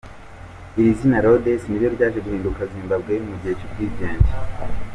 Iri zina Rodhesie ni ryo ryaje guhinduka Zimbabwe mu gihe cy’ubwigenge.